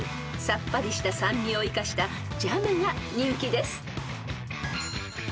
［さっぱりした酸味を生かしたジャムが人気です］